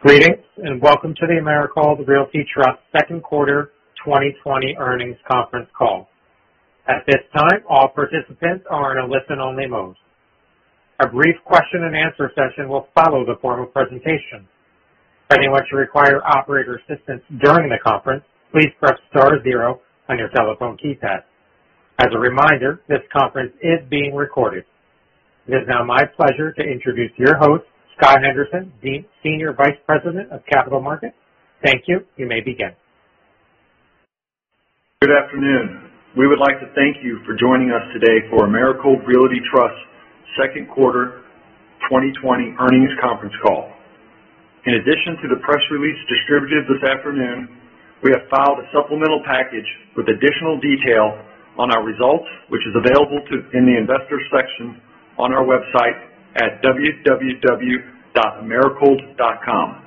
Greetings, and welcome to the Americold Realty Trust second quarter 2020 earnings conference call. At this time, all participants are in a listen-only mode. A brief question-and-answer session will follow the formal presentation. Anyone should require operator's assistance joining the conference, please press star zero on your telephone keypad. As a reminder, this conference is being recorded. It is now my pleasure to introduce your host, Scott Henderson, Senior Vice President of Capital Markets. Thank you. You may begin. Good afternoon. We would like to thank you for joining us today for Americold Realty Trust's second quarter 2020 earnings conference call. In addition to the press release distributed this afternoon, we have filed a supplemental package with additional detail on our results, which is available in the investors section on our website at www.americold.com.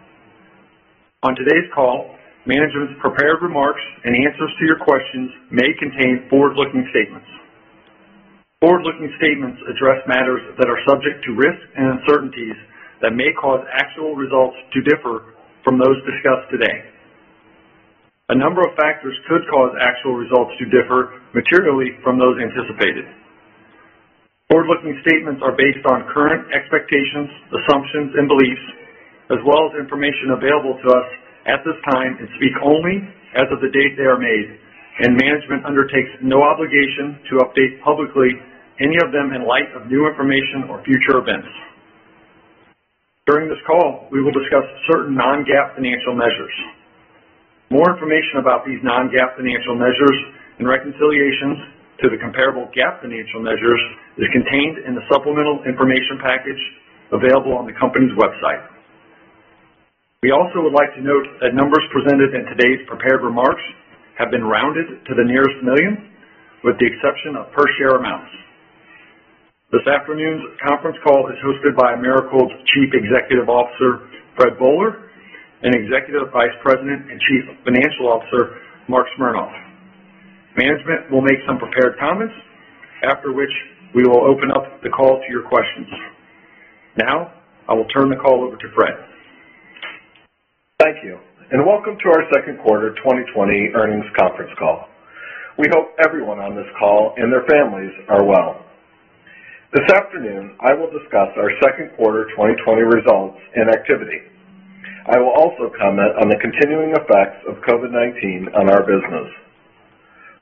On today's call, management's prepared remarks and answers to your questions may contain forward-looking statements. Forward-looking statements address matters that are subject to risks and uncertainties that may cause actual results to differ from those discussed today. A number of factors could cause actual results to differ materially from those anticipated. Forward-looking statements are based on current expectations, assumptions, and beliefs, as well as information available to us at this time and speak only as of the date they are made, and management undertakes no obligation to update publicly any of them in light of new information or future events. During this call, we will discuss certain non-GAAP financial measures. More information about these non-GAAP financial measures and reconciliations to the comparable GAAP financial measures is contained in the supplemental information package available on the company's website. We also would like to note that numbers presented in today's prepared remarks have been rounded to the nearest million, with the exception of per-share amounts. This afternoon's conference call is hosted by Americold's Chief Executive Officer, Fred Boehler, and Executive Vice President and Chief Financial Officer, Marc Smernoff. Management will make some prepared comments, after which we will open up the call to your questions. Now, I will turn the call over to Fred. Thank you. Welcome to our second quarter 2020 earnings conference call. We hope everyone on this call and their families are well. This afternoon, I will discuss our second quarter 2020 results and activity. I will also comment on the continuing effects of COVID-19 on our business.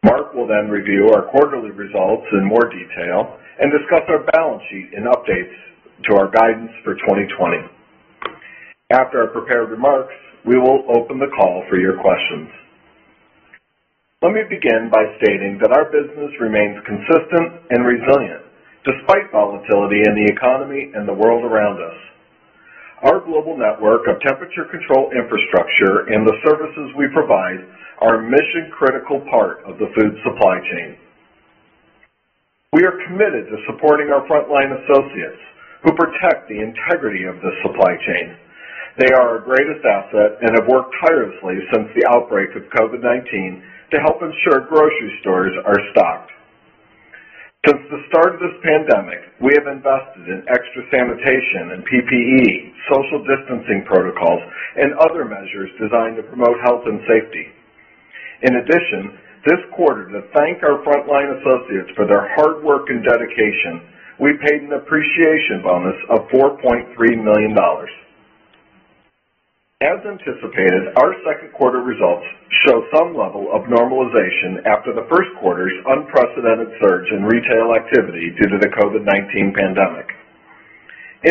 Marc will then review our quarterly results in more detail and discuss our balance sheet and updates to our guidance for 2020. After our prepared remarks, we will open the call for your questions. Let me begin by stating that our business remains consistent and resilient despite volatility in the economy and the world around us. Our global network of temperature-controlled infrastructure and the services we provide are a mission-critical part of the food supply chain. We are committed to supporting our frontline associates who protect the integrity of this supply chain. They are our greatest asset and have worked tirelessly since the outbreak of COVID-19 to help ensure grocery stores are stocked. Since the start of this pandemic, we have invested in extra sanitation and PPE, social distancing protocols, and other measures designed to promote health and safety. In addition, this quarter, to thank our frontline associates for their hard work and dedication, we paid an appreciation bonus of $4.3 million. As anticipated, our second quarter results show some level of normalization after the first quarter's unprecedented surge in retail activity due to the COVID-19 pandemic.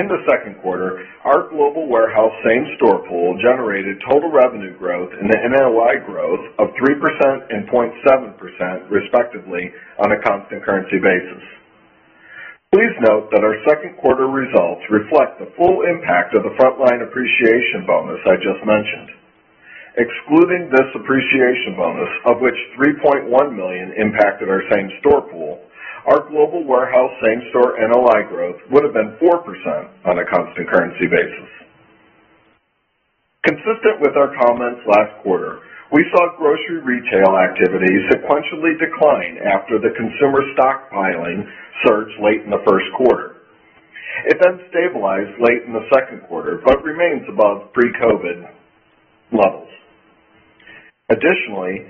In the second quarter, our global warehouse same-store pool generated total revenue growth and NOI growth of 3% and 0.7%, respectively, on a constant currency basis. Please note that our second quarter results reflect the full impact of the frontline appreciation bonus I just mentioned. Excluding this appreciation bonus, of which $3.1 million impacted our same-store pool, our global warehouse same-store NOI growth would've been 4% on a constant currency basis. Consistent with our comments last quarter, we saw grocery retail activity sequentially decline after the consumer stockpiling surge late in the first quarter. It then stabilized late in the second quarter, but remains above pre-COVID levels. Additionally,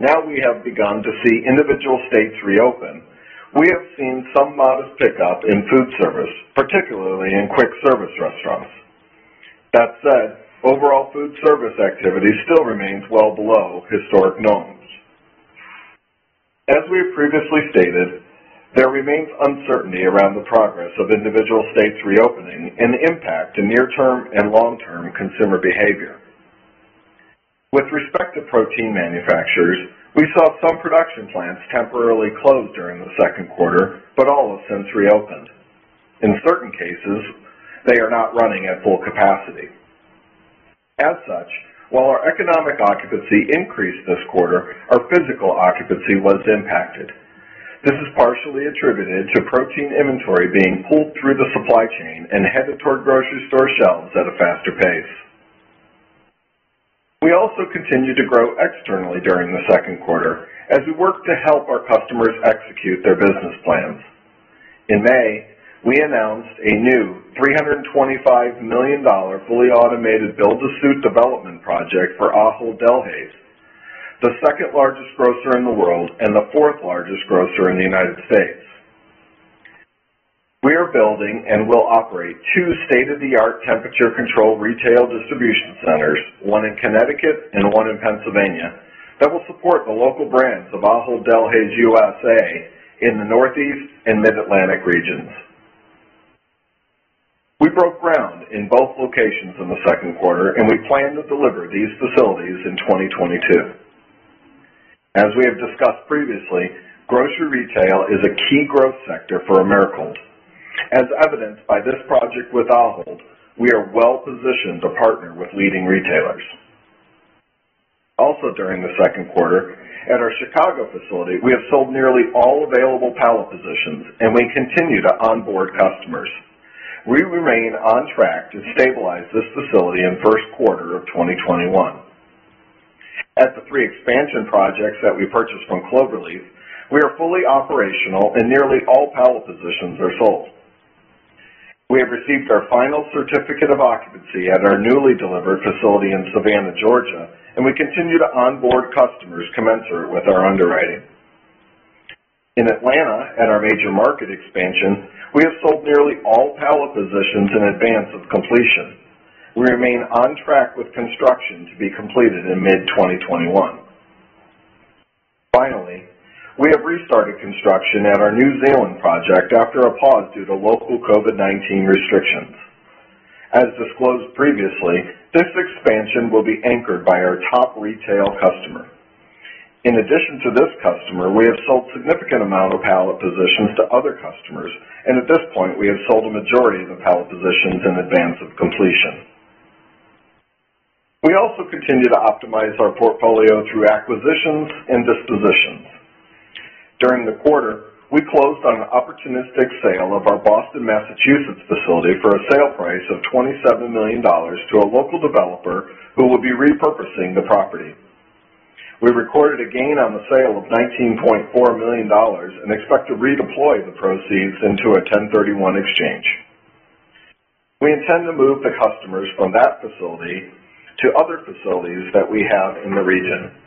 now we have begun to see individual states reopen. We have seen some modest pickup in food service, particularly in quick service restaurants. That said, overall food service activity still remains well below historic norms. As we have previously stated, there remains uncertainty around the progress of individual states reopening and the impact to near-term and long-term consumer behavior. With respect to protein manufacturers, we saw some production plants temporarily close during the second quarter, but all have since reopened. In certain cases, they are not running at full capacity. As such, while our economic occupancy increased this quarter, our physical occupancy was impacted. This is partially attributed to protein inventory being pulled through the supply chain and headed toward grocery store shelves at a faster pace. We also continued to grow externally during the second quarter as we worked to help our customers execute their business plans. In May, we announced a new $325 million fully automated build-to-suit development project for Ahold Delhaize, the second largest grocer in the world and the fourth largest grocer in the United States. We are building and will operate two state-of-the-art temperature-controlled retail distribution centers, one in Connecticut and one in Pennsylvania, that will support the local brands of Ahold Delhaize USA in the Northeast and Mid-Atlantic regions. We broke ground in both locations in the second quarter, and we plan to deliver these facilities in 2022. As we have discussed previously, grocery retail is a key growth sector for Americold. As evidenced by this project with Ahold, we are well-positioned to partner with leading retailers. Also during the second quarter, at our Chicago facility, we have sold nearly all available pallet positions and we continue to onboard customers. We remain on track to stabilize this facility in first quarter of 2021. At the three expansion projects that we purchased from Cloverleaf, we are fully operational and nearly all pallet positions are sold. We have received our final certificate of occupancy at our newly delivered facility in Savannah, Georgia, and we continue to onboard customers commensurate with our underwriting. In Atlanta, at our major market expansion, we have sold nearly all pallet positions in advance of completion. We remain on track with construction to be completed in mid-2021. Finally, we have restarted construction at our New Zealand project after a pause due to local COVID-19 restrictions. As disclosed previously, this expansion will be anchored by our top retail customer. In addition to this customer, we have sold significant amount of pallet positions to other customers, and at this point, we have sold a majority of the pallet positions in advance of completion. We also continue to optimize our portfolio through acquisitions and dispositions. During the quarter, we closed on an opportunistic sale of our Boston, Massachusetts facility for a sale price of $27 million to a local developer who will be repurposing the property. We recorded a gain on the sale of $19.4 million and expect to redeploy the proceeds into a 1031 exchange. We intend to move the customers from that facility to other facilities that we have in the region.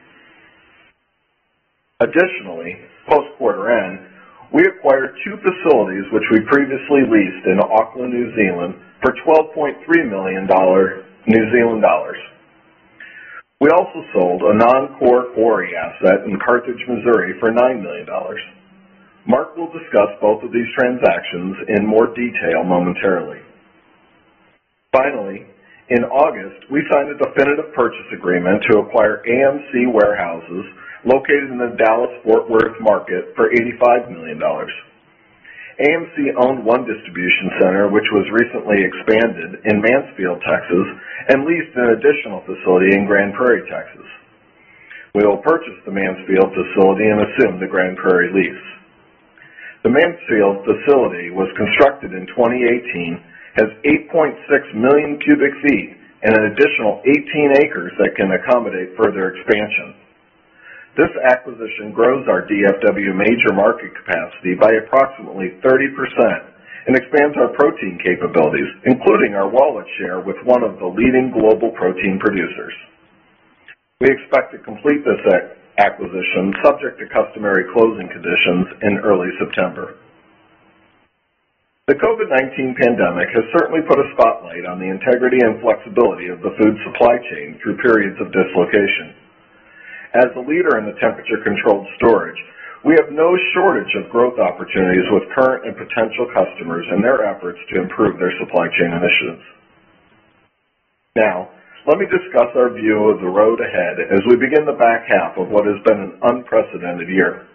Additionally, post quarter end, we acquired two facilities which we previously leased in Auckland, New Zealand for 12.3 million New Zealand dollars. We also sold a non-core quarry asset in Carthage, Missouri for $9 million. Marc will discuss both of these transactions in more detail momentarily. Finally, in August, we signed a definitive purchase agreement to acquire AM-C Warehouses located in the Dallas-Fort Worth market for $85 million. AM-C owned one distribution center, which was recently expanded in Mansfield, Texas, and leased an additional facility in Grand Prairie, Texas. We will purchase the Mansfield facility and assume the Grand Prairie lease. The Mansfield facility was constructed in 2018, has 8.6 million cubic feet, and an additional 18 acres that can accommodate further expansion. This acquisition grows our DFW major market capacity by approximately 30% and expands our protein capabilities, including our wallet share with one of the leading global protein producers. We expect to complete this acquisition subject to customary closing conditions in early September. The COVID-19 pandemic has certainly put a spotlight on the integrity and flexibility of the food supply chain through periods of dislocation. As the leader in the temperature-controlled storage, we have no shortage of growth opportunities with current and potential customers in their efforts to improve their supply chain initiatives. Now, let me discuss our view of the road ahead as we begin the back half of what has been an unprecedented year.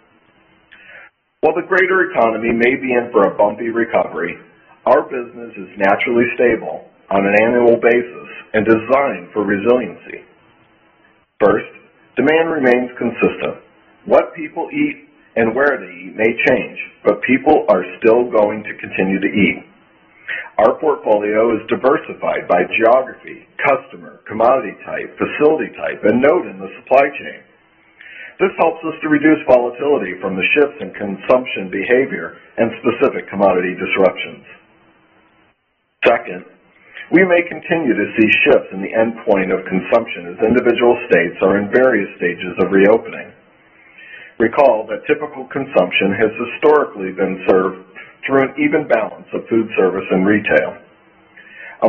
While the greater economy may be in for a bumpy recovery, our business is naturally stable on an annual basis and designed for resiliency. First, demand remains consistent. What people eat and where they eat may change, but people are still going to continue to eat. Our portfolio is diversified by geography, customer, commodity type, facility type, and node in the supply chain. This helps us to reduce volatility from the shifts in consumption behavior and specific commodity disruptions. Second, we may continue to see shifts in the endpoint of consumption as individual states are in various stages of reopening. Recall that typical consumption has historically been served through an even balance of food service and retail.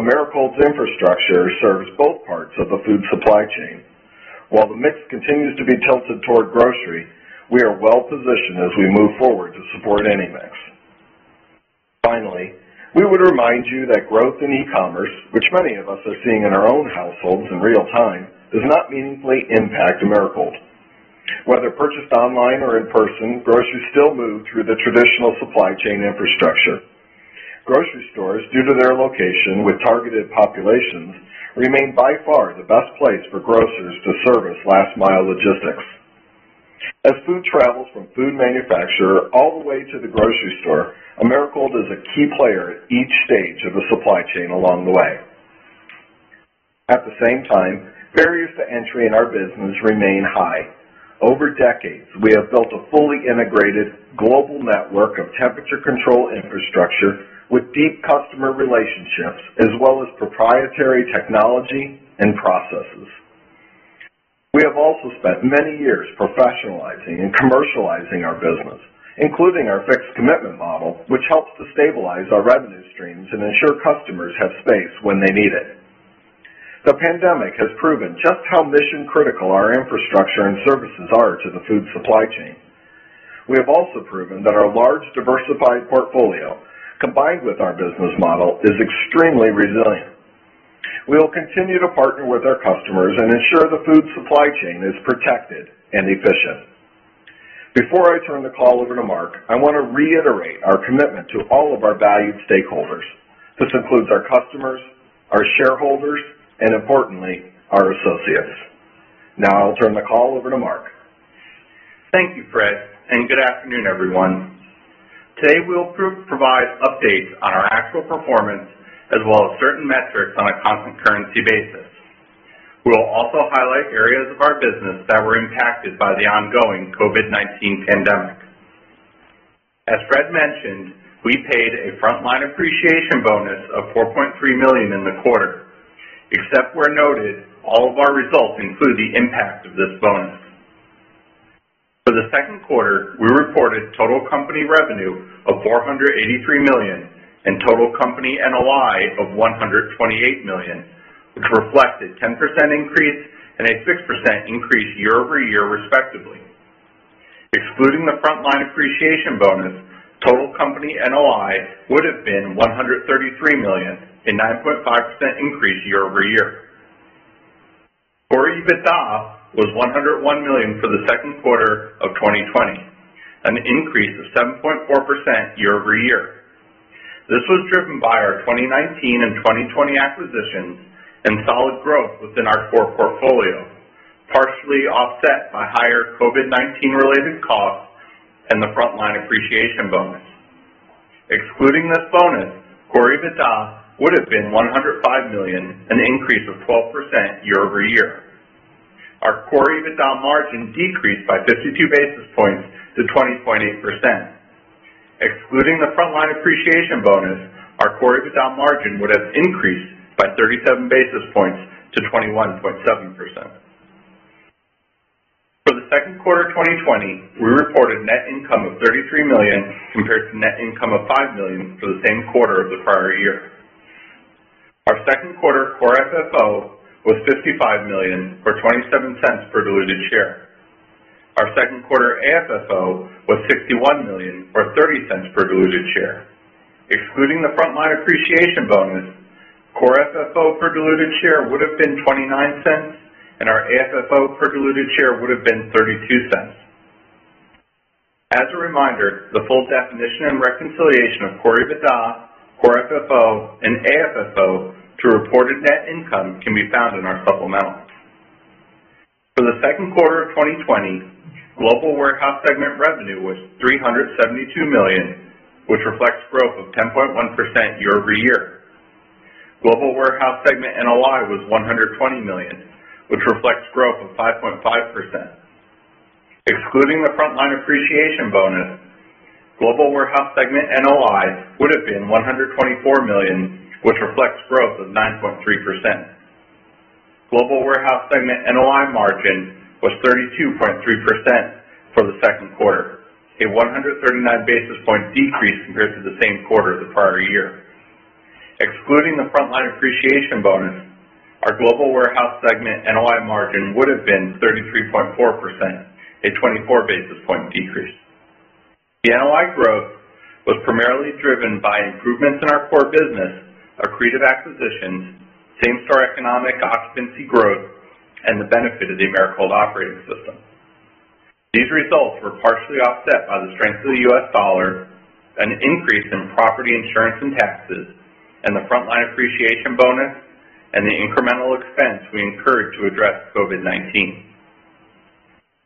Americold's infrastructure serves both parts of the food supply chain. While the mix continues to be tilted toward grocery, we are well-positioned as we move forward to support any mix. Finally, we would remind you that growth in e-commerce, which many of us are seeing in our own households in real time, does not meaningfully impact Americold. Whether purchased online or in person, groceries still move through the traditional supply chain infrastructure. Grocery stores, due to their location with targeted populations, remain by far the best place for grocers to service last-mile logistics. As food travels from food manufacturer all the way to the grocery store, Americold is a key player at each stage of the supply chain along the way. At the same time, barriers to entry in our business remain high. Over decades, we have built a fully integrated global network of temperature control infrastructure with deep customer relationships, as well as proprietary technology and processes. We have also spent many years professionalizing and commercializing our business, including our fixed commitment model, which helps to stabilize our revenue streams and ensure customers have space when they need it. The pandemic has proven just how mission-critical our infrastructure and services are to the food supply chain. We have also proven that our large, diversified portfolio, combined with our business model, is extremely resilient. We will continue to partner with our customers and ensure the food supply chain is protected and efficient. Before I turn the call over to Marc, I want to reiterate our commitment to all of our valued stakeholders. This includes our customers, our shareholders, and importantly, our associates. Now I will turn the call over to Marc. Thank you, Fred, and good afternoon, everyone. Today, we will provide updates on our actual performance as well as certain metrics on a constant currency basis. We will also highlight areas of our business that were impacted by the ongoing COVID-19 pandemic. As Fred mentioned, we paid a frontline appreciation bonus of $4.3 million in the quarter. Except where noted, all of our results include the impact of this bonus. For the second quarter, we reported total company revenue of $483 million and total company NOI of $128 million, which reflects a 10% increase and a 6% increase year-over-year, respectively. Excluding the frontline appreciation bonus, total company NOI would've been $133 million, a 9.5% increase year-over-year. Core EBITDA was $101 million for the second quarter of 2020, an increase of 7.4% year-over-year. This was driven by our 2019 and 2020 acquisitions and solid growth within our core portfolio, partially offset by higher COVID-19 related costs and the frontline appreciation bonus. Excluding this bonus, Core EBITDA would've been $105 million, an increase of 12% year-over-year. Our Core EBITDA margin decreased by 52 basis points to 20.8%. Excluding the frontline appreciation bonus, our Core EBITDA margin would have increased by 37 basis points to 21.7%. For the second quarter of 2020, we reported net income of $33 million compared to net income of $5 million for the same quarter of the prior year. Our second quarter Core FFO was $55 million, or $0.27 per diluted share. Our second quarter AFFO was $61 million, or $0.30 per diluted share. Excluding the frontline appreciation bonus, Core FFO per diluted share would've been $0.29, and our AFFO per diluted share would've been $0.32. As a reminder, the full definition and reconciliation of Core EBITDA, Core FFO, and AFFO to reported net income can be found in our supplemental. For the second quarter of 2020, global warehouse segment revenue was $372 million, which reflects growth of 10.1% year-over-year. Global warehouse segment NOI was $120 million, which reflects growth of 5.5%. Excluding the frontline appreciation bonus, global warehouse segment NOI would've been $124 million, which reflects growth of 9.3%. Global warehouse segment NOI margin was 32.3% for the second quarter, a 139 basis point decrease compared to the same quarter of the prior year. Excluding the frontline appreciation bonus, our global warehouse segment NOI margin would've been 33.4%, a 24 basis point decrease. The NOI growth was primarily driven by improvements in our core business, accretive acquisitions, same-store economic occupancy growth, and the benefit of the Americold Operating System. These results were partially offset by the strength of the U.S. dollar, an increase in property insurance and taxes, and the frontline appreciation bonus, and the incremental expense we incurred to address COVID-19.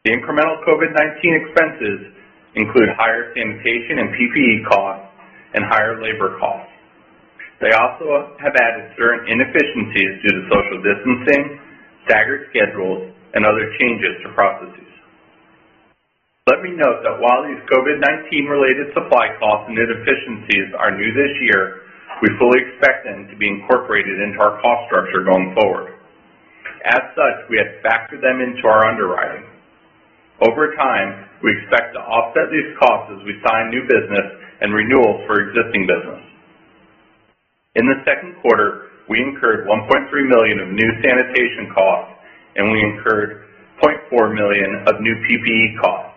The incremental COVID-19 expenses include higher sanitation and PPE costs and higher labor costs. They also have added certain inefficiencies due to social distancing, staggered schedules, and other changes to processes. Let me note that while these COVID-19 related supply costs and inefficiencies are new this year, we fully expect them to be incorporated into our cost structure going forward. As such, we have factored them into our underwriting. Over time, we expect to offset these costs as we sign new business and renewals for existing business. In the second quarter, we incurred $1.3 million of new sanitation costs, and we incurred $0.4 million of new PPE costs.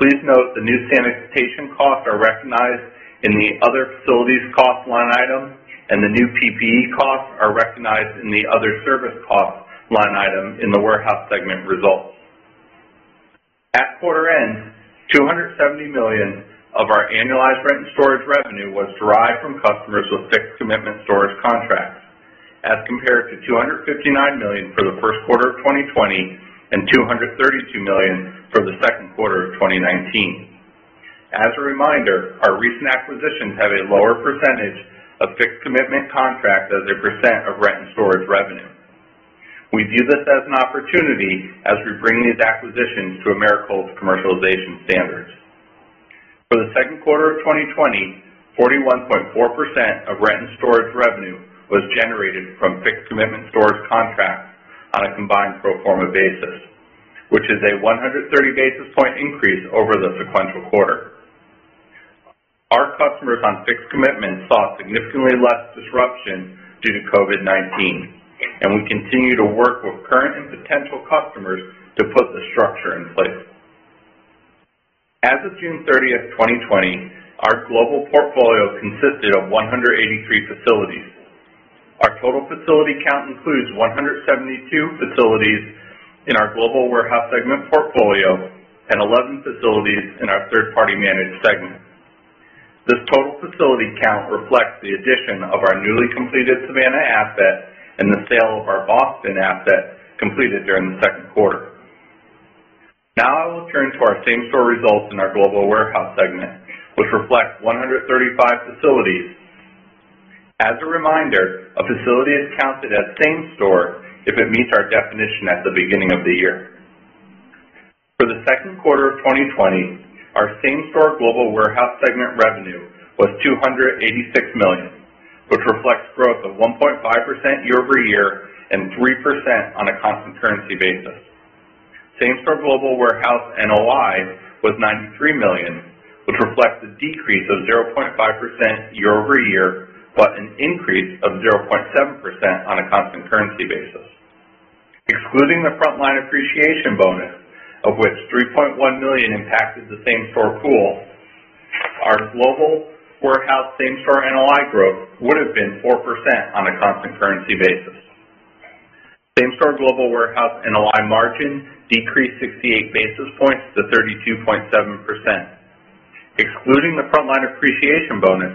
Please note the new sanitation costs are recognized in the other facilities cost line item, and the new PPE costs are recognized in the other service cost line item in the warehouse segment results. At quarter end, $270 million of our annualized rent and storage revenue was derived from customers with fixed commitment storage contracts, as compared to $259 million for the first quarter of 2020 and $232 million for the second quarter of 2019. As a reminder, our recent acquisitions have a lower percentage of fixed commitment contracts as a percent of rent and storage revenue. We view this as an opportunity as we bring these acquisitions to Americold's commercialization standards. For the second quarter of 2020, 41.4% of rent and storage revenue was generated from fixed commitment storage contracts on a combined pro forma basis, which is a 130 basis point increase over the sequential quarter. Our customers on fixed commitments saw significantly less disruption due to COVID-19, and we continue to work with current and potential customers to put this structure in place. As of June 30th, 2020, our global portfolio consisted of 183 facilities. Our total facility count includes 172 facilities in our Global Warehouse Segment portfolio and 11 facilities in our Third-Party Managed Segment. This total facility count reflects the addition of our newly completed Savannah asset and the sale of our Boston asset completed during the second quarter. Now, I will turn to our same-store results in our Global Warehouse Segment, which reflects 135 facilities. As a reminder, a facility is counted as same-store if it meets our definition at the beginning of the year. For the second quarter of 2020, our same-store global warehouse segment revenue was $286 million, which reflects growth of 1.5% year-over-year and 3% on a constant currency basis. Same-store global warehouse NOI was $93 million, which reflects a decrease of 0.5% year-over-year, but an increase of 0.7% on a constant currency basis. Excluding the frontline appreciation bonus, of which $3.1 million impacted the same-store pool, our global warehouse same-store NOI growth would have been 4% on a constant currency basis. Same-store global warehouse NOI margin decreased 68 basis points to 32.7%. Excluding the frontline appreciation bonus,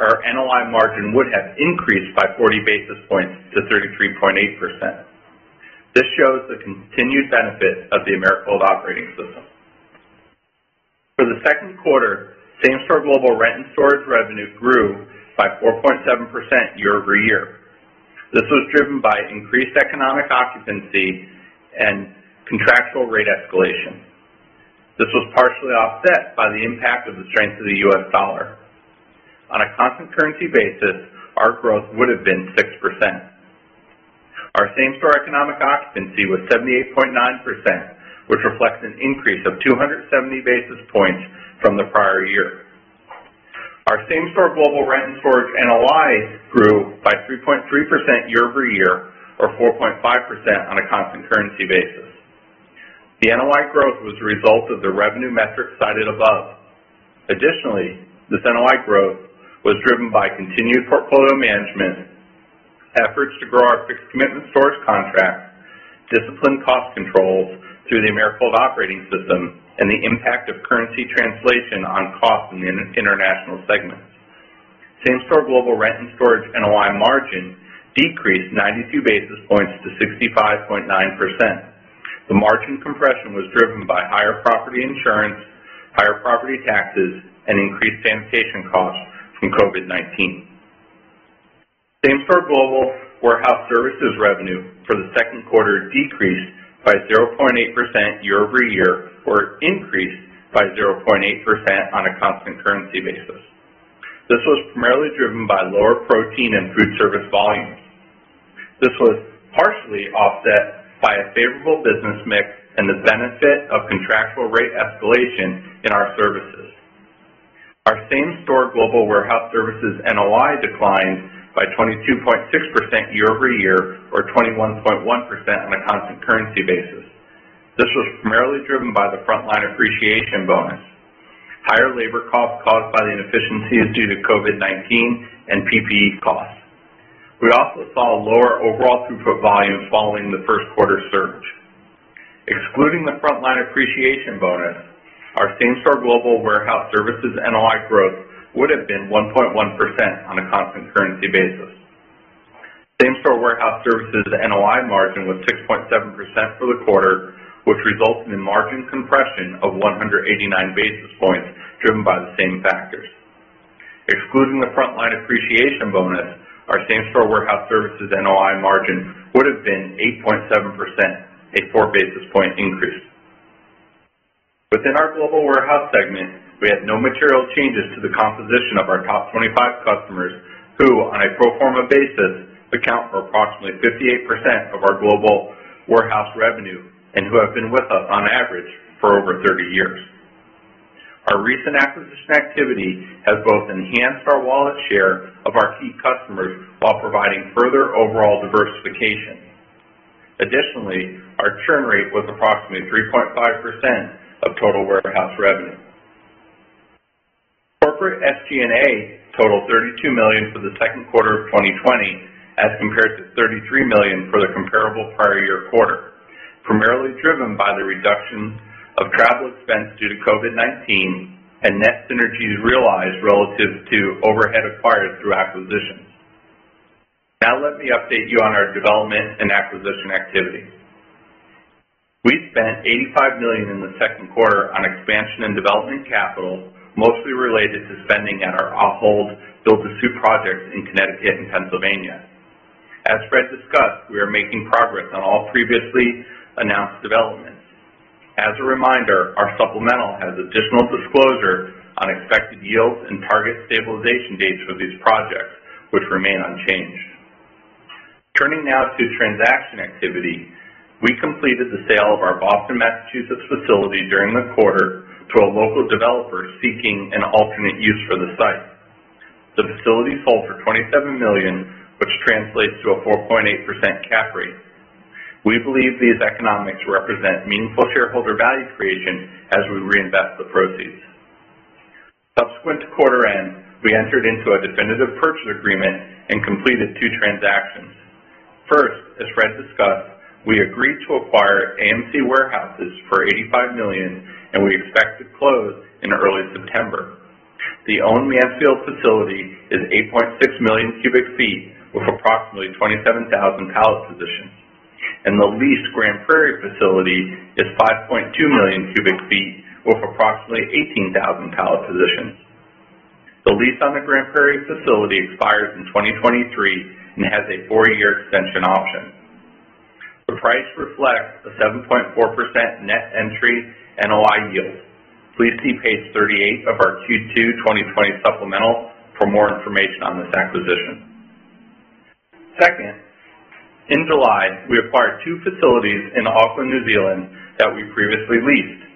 our NOI margin would have increased by 40 basis points to 33.8%. This shows the continued benefit of the Americold Operating System. For the second quarter, same-store global rent and storage revenue grew by 4.7% year-over-year. This was driven by increased economic occupancy and contractual rate escalation. This was partially offset by the impact of the strength of the U.S. dollar. On a constant currency basis, our growth would have been 6%. Our same-store economic occupancy was 78.9%, which reflects an increase of 270 basis points from the prior year. Our same-store global rent and storage NOI grew by 3.3% year-over-year or 4.5% on a constant currency basis. The NOI growth was a result of the revenue metrics cited above. Additionally, this NOI growth was driven by continued portfolio management, efforts to grow our fixed commitment storage contract, disciplined cost controls through the Americold Operating System, and the impact of currency translation on costs in international segments. Same-store global rent and storage NOI margin decreased 92 basis points to 65.9%. The margin compression was driven by higher property insurance, higher property taxes, and increased sanitation costs from COVID-19. Same-store global warehouse services revenue for the second quarter decreased by 0.8% year-over-year or increased by 0.8% on a constant currency basis. This was primarily driven by lower protein and food service volumes. This was partially offset by a favorable business mix and the benefit of contractual rate escalation in our services. Our same-store global warehouse services NOI declined by 22.6% year-over-year or 21.1% on a constant currency basis. This was primarily driven by the frontline appreciation bonus, higher labor costs caused by the inefficiencies due to COVID-19, and PPE costs. We also saw lower overall throughput volume following the first quarter surge. Excluding the frontline appreciation bonus, our same-store global warehouse services NOI growth would have been 1.1% on a constant currency basis. Same-store warehouse services NOI margin was 6.7% for the quarter, which results in margin compression of 189 basis points driven by the same factors. Excluding the frontline appreciation bonus, our same-store warehouse services NOI margin would have been 8.7%, a 4 basis point increase. Within our global warehouse segment, we had no material changes to the composition of our top 25 customers who, on a pro forma basis, account for approximately 58% of our global warehouse revenue and who have been with us on average for over 30 years. Our recent acquisition activity has both enhanced our wallet share of our key customers while providing further overall diversification. Additionally, our churn rate was approximately 3.5% of total warehouse revenue. Corporate SG&A totaled $32 million for the second quarter of 2020 as compared to $33 million for the comparable prior year quarter. Primarily driven by the reduction of travel expense due to COVID-19 and net synergies realized relative to overhead acquired through acquisitions. Now let me update you on our development and acquisition activity. We spent $85 million in the second quarter on expansion and development capital, mostly related to spending at our Ahold build-to-suit projects in Connecticut and Pennsylvania. As Fred discussed, we are making progress on all previously announced developments. As a reminder, our supplemental has additional disclosure on expected yields and target stabilization dates for these projects, which remain unchanged. Turning now to transaction activity. We completed the sale of our Boston, Massachusetts, facility during the quarter to a local developer seeking an alternate use for the site. The facility sold for $27 million, which translates to a 4.8% cap rate. We believe these economics represent meaningful shareholder value creation as we reinvest the proceeds. Subsequent to quarter end, we entered into a definitive purchase agreement and completed two transactions. First, as Fred discussed, we agreed to acquire AM-C Warehouses for $85 million, and we expect to close in early September. The owned Mansfield facility is 8.6 million cubic feet with approximately 27,000 pallet positions, and the leased Grand Prairie facility is 5.2 million cubic feet with approximately 18,000 pallet positions. The lease on the Grand Prairie facility expires in 2023 and has a four-year extension option. The price reflects a 7.4% net entry NOI yield. Please see page 38 of our Q2 2020 supplemental for more information on this acquisition. Second, in July, we acquired two facilities in Auckland, New Zealand, that we previously leased.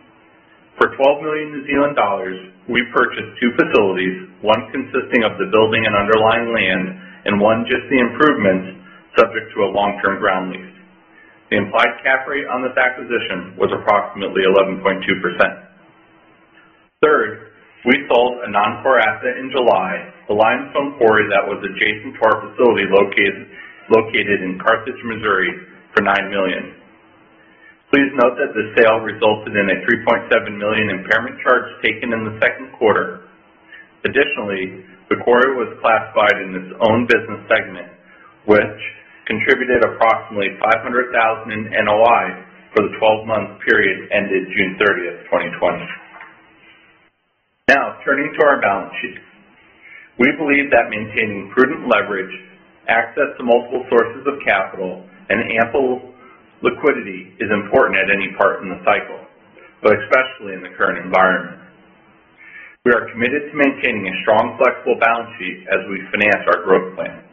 For 12 million New Zealand dollars, we purchased two facilities, one consisting of the building and underlying land, and one just the improvements, subject to a long-term ground lease. The implied cap rate on this acquisition was approximately 11.2%. Third, we sold a non-core asset in July, a limestone quarry that was adjacent to our facility located in Carthage, Missouri, for $9 million. Please note that the sale resulted in a $3.7 million impairment charge taken in the second quarter. Additionally, the quarry was classified in its own business segment, which contributed approximately $500,000 in NOI for the 12-month period ended June 30th, 2020. Now, turning to our balance sheet. We believe that maintaining prudent leverage, access to multiple sources of capital, and ample liquidity is important at any part in the cycle, but especially in the current environment. We are committed to maintaining a strong, flexible balance sheet as we finance our growth plans.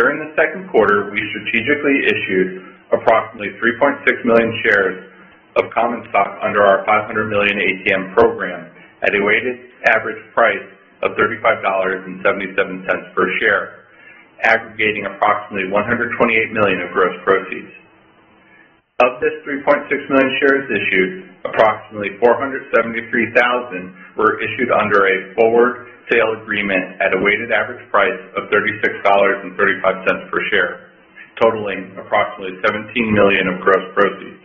During the second quarter, we strategically issued approximately 3.6 million shares of common stock under our $500 million ATM program at a weighted average price of $35.77 per share, aggregating approximately $128 million of gross proceeds. Of this 3.6 million shares issued, approximately 473,000 were issued under a forward sale agreement at a weighted average price of $36.35 per share, totaling approximately $17 million of gross proceeds.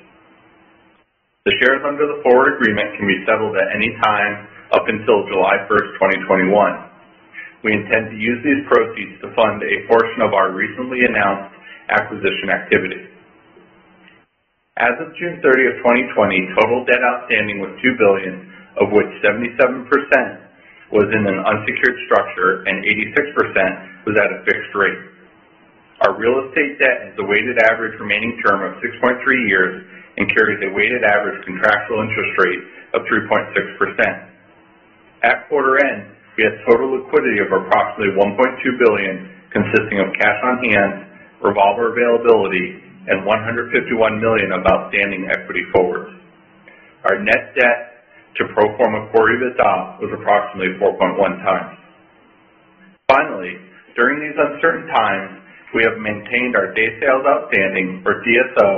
The shares under the forward agreement can be settled at any time up until July 1st, 2021. We intend to use these proceeds to fund a portion of our recently announced acquisition activity. As of June 30th, 2020, total debt outstanding was $2 billion, of which 77% was in an unsecured structure and 86% was at a fixed rate. Our real estate debt has a weighted average remaining term of 6.3 years and carries a weighted average contractual interest rate of 3.6%. At quarter end, we had total liquidity of approximately $1.2 billion, consisting of cash on hand, revolver availability, and $151 million of outstanding equity forwards. Our net debt to pro forma Core EBITDA was approximately 4.1x. Finally, during these uncertain times, we have maintained our day sales outstanding or DSO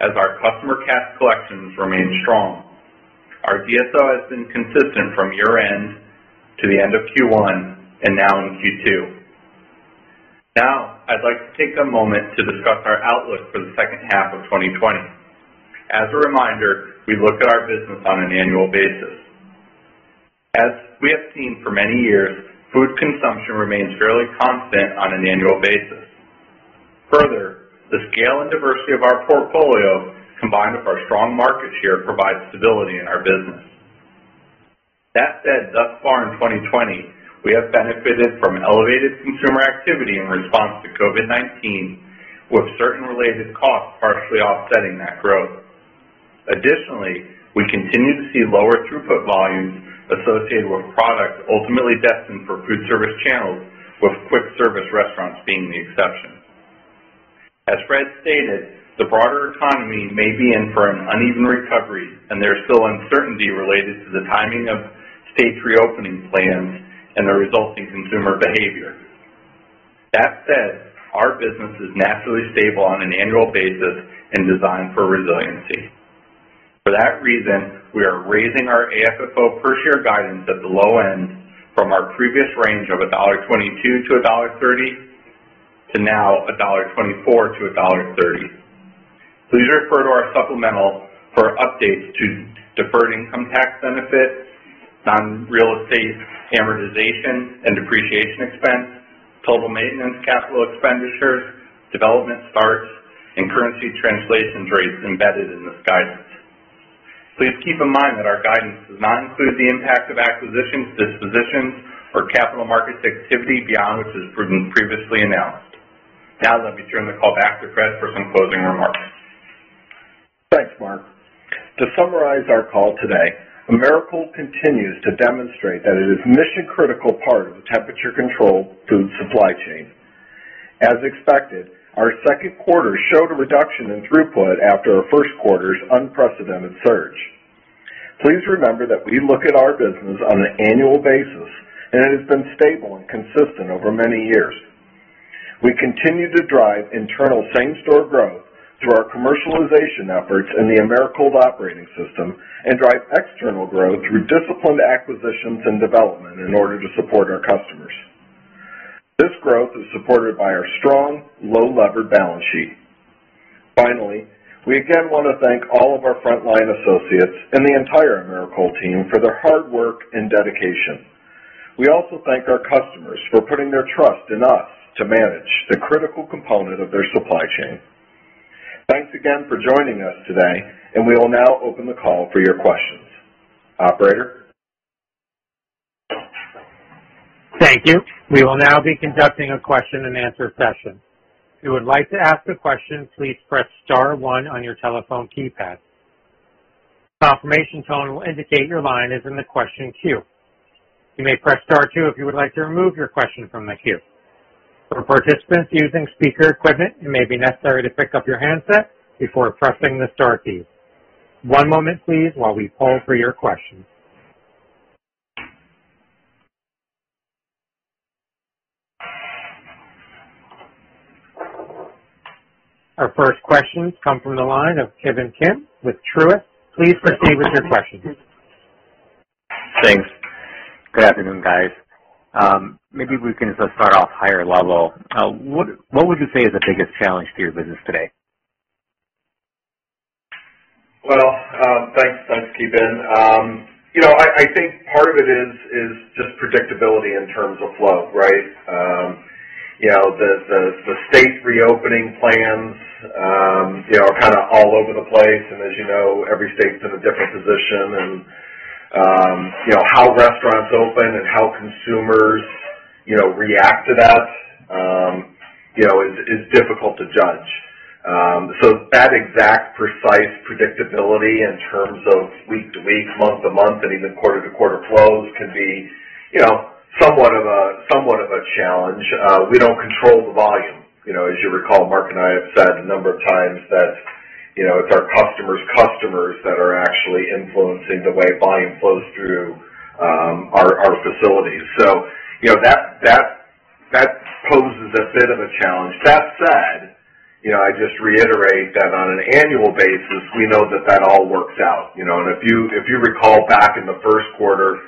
as our customer cash collections remain strong. Our DSO has been consistent from year-end to the end of Q1 and now in Q2. Now, I'd like to take a moment to discuss our outlook for the second half of 2020. As a reminder, we look at our business on an annual basis. As we have seen for many years, food consumption remains fairly constant on an annual basis. Further, the scale and diversity of our portfolio, combined with our strong market share, provides stability in our business. That said, thus far in 2020, we have benefited from elevated consumer activity in response to COVID-19, with certain related costs partially offsetting that growth. Additionally, we continue to see lower throughput volumes associated with products ultimately destined for food service channels, with quick-service restaurants being the exception. As Fred stated, the broader economy may be in for an uneven recovery, and there's still uncertainty related to the timing of state reopening plans and the resulting consumer behavior. That said, our business is naturally stable on an annual basis and designed for resiliency. For that reason, we are raising our AFFO per share guidance at the low end from our previous range of $1.22-$1.30 to now $1.24-$1.30. Please refer to our supplemental for updates to deferred income tax benefit, non-real estate amortization and depreciation expense, total maintenance capital expenditures, development starts, and currency translation rates embedded in this guidance. Please keep in mind that our guidance does not include the impact of acquisitions, dispositions, or capital markets activity beyond what has been previously announced. Now let me turn the call back to Fred for some closing remarks. Thanks, Marc. To summarize our call today, Americold continues to demonstrate that it is a mission-critical part of the temperature-controlled food supply chain. As expected, our second quarter showed a reduction in throughput after our first quarter's unprecedented surge. Please remember that we look at our business on an annual basis, and it has been stable and consistent over many years. We continue to drive internal same-store growth through our commercialization efforts in the Americold Operating System and drive external growth through disciplined acquisitions and development in order to support our customers. This growth is supported by our strong, low-levered balance sheet. Finally, we again want to thank all of our frontline associates and the entire Americold team for their hard work and dedication. We also thank our customers for putting their trust in us to manage the critical component of their supply chain. Thanks again for joining us today, and we will now open the call for your questions. Operator? Thank you. We will now be conducting a question-and-answer session. If you would like to ask a question, please press star one on your telephone keypad. Confirmation tone will indicate your line is in the question queue. You may press star two if you'd like to remove your question from the queue. For participants using speaker equipment, it may be necessary to pick up your handset before pressing the star key. One moment please while we poll for your questions. Our first question comes from the line of Ki Bin Kim with Truist. Please proceed with your question. Thanks. Good afternoon, guys. Maybe we can just start off higher level. What would you say is the biggest challenge to your business today? Well, thanks, Ki Bin. I think part of it is just predictability in terms of flow, right? The state reopening plans are kind of all over the place, and as you know, every state's in a different position. How restaurants open and how consumers react to that is difficult to judge. That exact precise predictability in terms of week to week, month to month, and even quarter to quarter flows can be somewhat of a challenge. We don't control the volume. As you recall, Marc and I have said a number of times that it's our customers' customers that are actually influencing the way volume flows through our facilities. That poses a bit of a challenge. That said, I just reiterate that on an annual basis, we know that that all works out. If you recall back in the first quarter,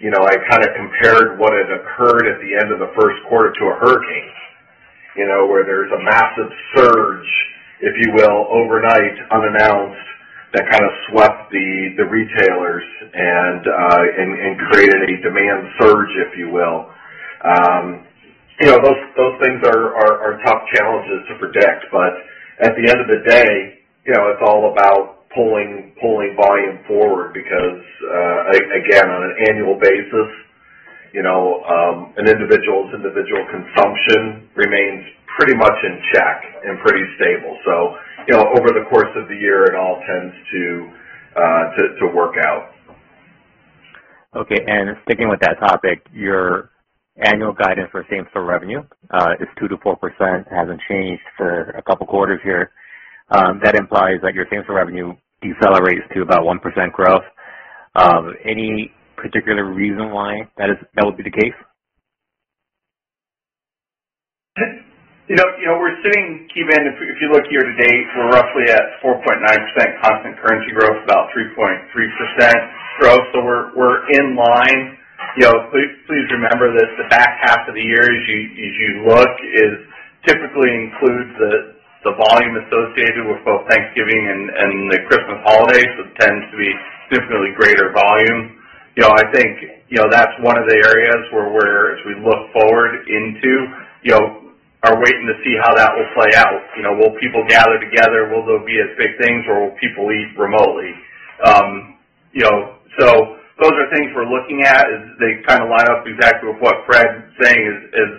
I kind of compared what had occurred at the end of the first quarter to a hurricane, where there's a massive surge, if you will, overnight, unannounced, that kind of swept the retailers and created a demand surge, if you will. Those things are tough challenges to predict, but at the end of the day, it's all about pulling volume forward because again, on an annual basis, an individual's individual consumption remains pretty much in check and pretty stable. Over the course of the year, it all tends to work out. Okay. Sticking with that topic, your annual guidance for same-store revenue is 2%-4%, hasn't changed for a couple quarters here. That implies that your same-store revenue decelerates to about 1% growth. Any particular reason why that would be the case? We're sitting, Ki Bin, if you look year to date, we're roughly at 4.9% constant currency growth, about 3.3% growth. We're in line. Please remember that the back half of the year, as you look, it typically includes the volume associated with both Thanksgiving and the Christmas holidays, so it tends to be significantly greater volume. I think that's one of the areas where as we look forward into, are waiting to see how that will play out. Will people gather together? Will they be at big things or will people eat remotely? Those are things we're looking at. They kind of line up exactly with what Fred's saying. As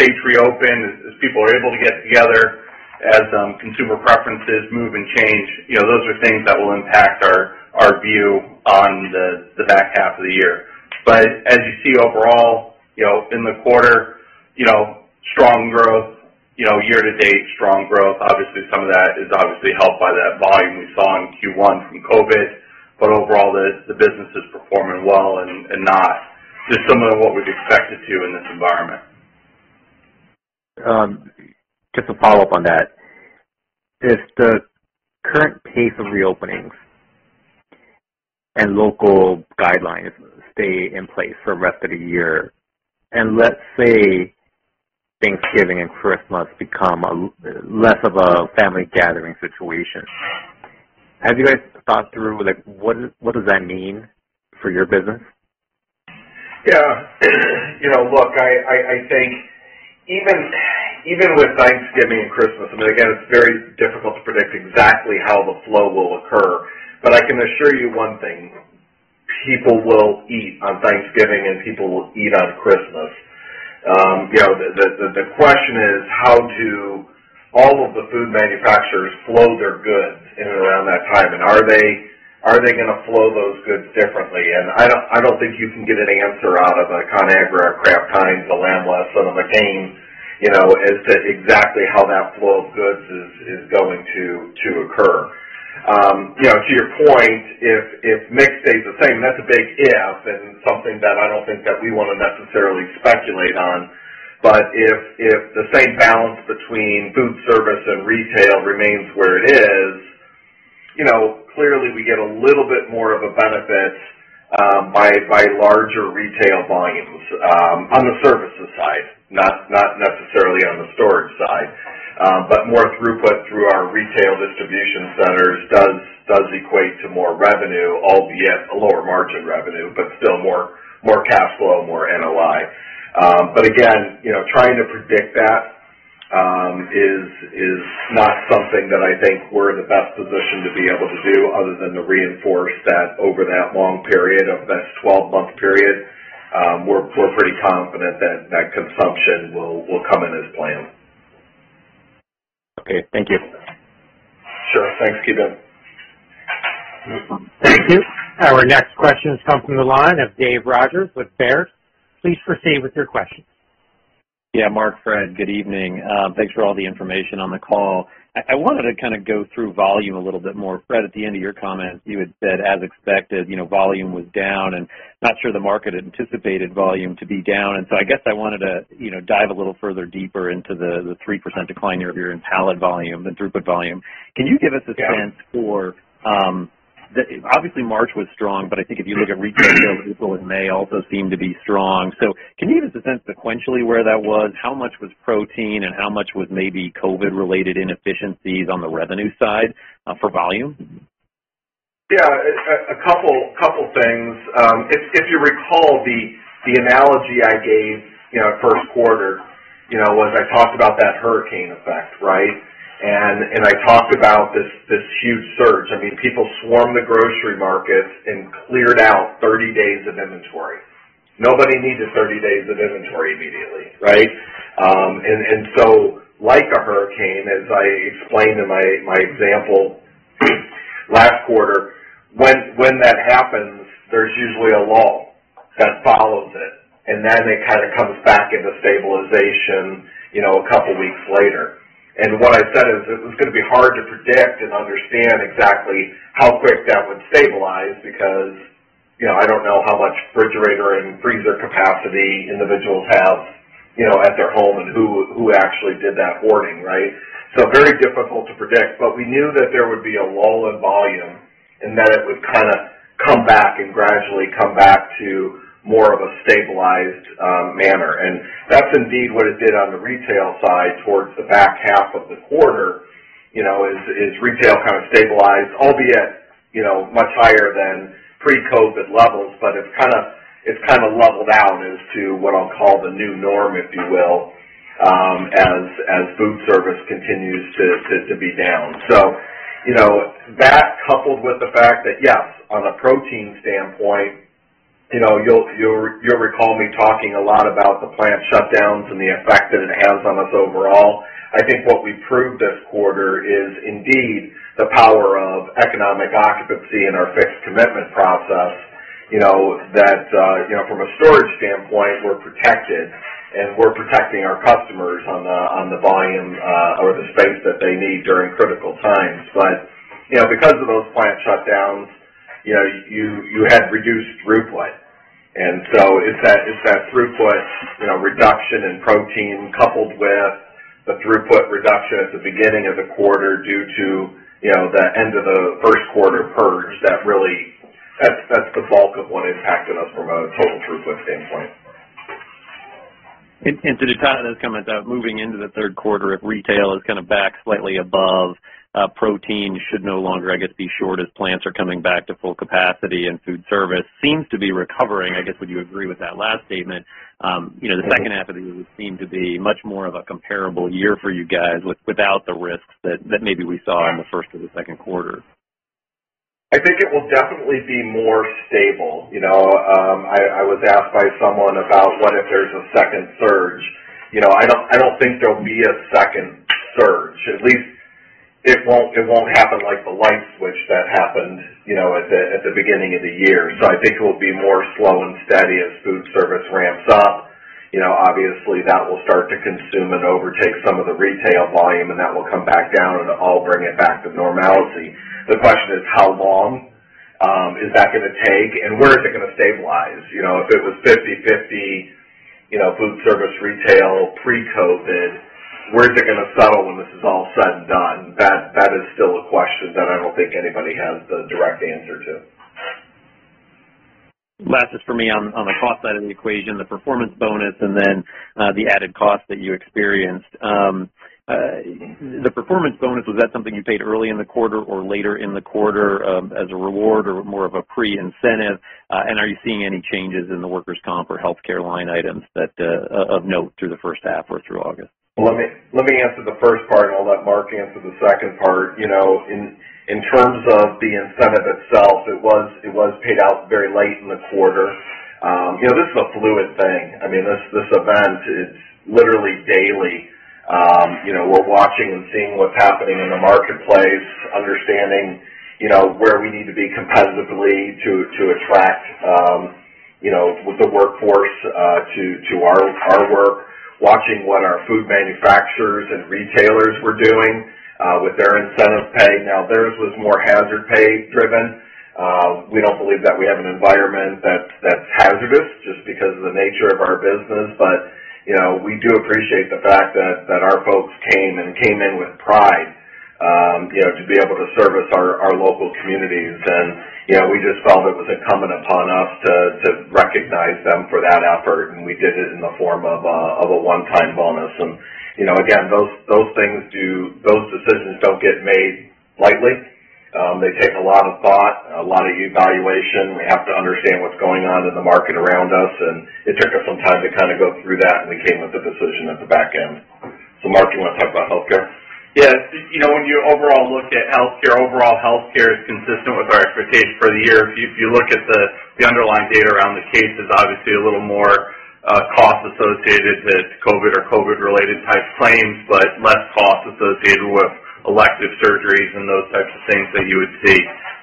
states reopen, as people are able to get together, as consumer preferences move and change, those are things that will impact our view on the back half of the year. As you see overall, in the quarter, strong growth. Year to date, strong growth. Obviously, some of that is obviously helped by that volume we saw in Q1 from COVID. Overall, the business is performing well and not dissimilar to what we'd expect it to in this environment. Just a follow-up on that. If the current pace of reopenings and local guidelines stay in place for the rest of the year, and let's say Thanksgiving and Christmas become less of a family gathering situation, have you guys thought through what does that mean for your business? Yeah. Look, I think even with Thanksgiving and Christmas, and again, it's very difficult to predict exactly how the flow will occur, but I can assure you one thing, people will eat on Thanksgiving, and people will eat on Christmas. The question is how do all of the food manufacturers flow their goods in and around that time, and are they going to flow those goods differently? I don't think you can get an answer out of a Conagra or a Kraft Heinz, a Lamb Weston or a McCain as to exactly how that flow of goods is going to occur. To your point, if mix stays the same, that's a big if, and something that I don't think that we want to necessarily speculate on. If the same balance between food service and retail remains where it is, clearly we get a little bit more of a benefit by larger retail volumes on the services side, not necessarily on the storage side. More throughput through our retail distribution centers does equate to more revenue, albeit a lower margin revenue, but still more cash flow, more NOI. Again, trying to predict that is not something that I think we're in the best position to be able to do other than to reinforce that over that long period of this 12-month period, we're pretty confident that consumption will come in as planned. Okay. Thank you. Sure. Thanks, Ki Bin. Thank you. Our next question comes from the line of Dave Rodgers with Baird. Please proceed with your question. Marc, Fred, good evening. Thanks for all the information on the call. I wanted to kind of go through volume a little bit more. Fred, at the end of your comments, you had said, as expected, volume was down, and not sure the market anticipated volume to be down. I guess I wanted to dive a little further deeper into the 3% decline year-over-year in pallet volume and throughput volume. Can you give us a sense for obviously March was strong, but I think if you look at retail, April and May also seem to be strong. Can you give us a sense sequentially where that was? How much was protein and how much was maybe COVID-related inefficiencies on the revenue side for volume? Yeah. A couple things. If you recall, the analogy I gave first quarter was I talked about that hurricane effect, right? I talked about this huge surge. I mean, people swarmed the grocery markets and cleared out 30 days of inventory. Nobody needed 30 days of inventory immediately, right? Like a hurricane, as I explained in my example last quarter, when that happens, there's usually a lull that follows it, and then it kind of comes back into stabilization a couple of weeks later. What I said is it was going to be hard to predict and understand exactly how quick that would stabilize because I don't know how much refrigerator and freezer capacity individuals have at their home and who actually did that hoarding, right? Very difficult to predict, but we knew that there would be a lull in volume, and then it would kind of come back and gradually come back to more of a stabilized manner. That's indeed what it did on the retail side towards the back half of the quarter, is retail kind of stabilized, albeit much higher than pre-COVID levels. It's kind of leveled out as to what I'll call the new norm, if you will, as food service continues to be down. That coupled with the fact that, yes, on a protein standpoint, you'll recall me talking a lot about the plant shutdowns and the effect that it has on us overall. I think what we proved this quarter is indeed the power of economic occupancy in our fixed commitment process. That from a storage standpoint, we're protected and we're protecting our customers on the volume or the space that they need during critical times. Because of those plant shutdowns, you had reduced throughput. It's that throughput reduction in protein coupled with the throughput reduction at the beginning of the quarter due to the end of the first quarter purge that's the bulk of what impacted us from a total throughput standpoint. To the top of those comments, moving into the third quarter, if retail is kind of back slightly above, protein should no longer, I guess, be short as plants are coming back to full capacity, and food service seems to be recovering. I guess, would you agree with that last statement? The second half of the year would seem to be much more of a comparable year for you guys without the risks that maybe we saw in the first or the second quarter. I think it will definitely be more stable. I was asked by someone about what if there's a second surge. I don't think there'll be a second surge. At least it won't happen like the light switch that happened at the beginning of the year. I think it will be more slow and steady as food service ramps up. Obviously, that will start to consume and overtake some of the retail volume, and that will come back down and all bring it back to normality. The question is how long is that going to take, and where is it going to stabilize? If it was 50/50 food service retail pre-COVID, where is it going to settle when this is all said and done? That is still a question that I don't think anybody has the direct answer to. Last is for me on the cost side of the equation, the performance bonus, and then the added cost that you experienced. The performance bonus, was that something you paid early in the quarter or later in the quarter as a reward or more of a pre-incentive? Are you seeing any changes in the workers' comp or healthcare line items of note through the first half or through August? Let me answer the first part, and I'll let Marc answer the second part. In terms of the incentive itself, it was paid out very late in the quarter. This is a fluid thing. This event is literally daily. We're watching and seeing what's happening in the marketplace, understanding where we need to be competitively to attract the workforce to our work, watching what our food manufacturers and retailers were doing with their incentive pay. Theirs was more hazard pay driven. We don't believe that we have an environment that's hazardous just because of the nature of our business. We do appreciate the fact that our folks came and came in with pride to be able to service our local communities. We just felt it was incumbent upon us to recognize them for that effort, and we did it in the form of a one-time bonus. Again, those decisions don't get made lightly. They take a lot of thought, a lot of evaluation. We have to understand what's going on in the market around us, and it took us some time to kind of go through that, and we came with the decision at the back end. Marc, you want to talk about healthcare? When you overall look at healthcare, overall healthcare is consistent with our expectations for the year. If you look at the underlying data around the cases, obviously a little more cost associated with COVID or COVID-related type claims, but less cost associated with elective surgeries and those types of things that you would see.